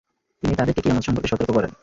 তিনি তাদেরকে কিয়ামত সম্পর্কে সতর্ক করেন।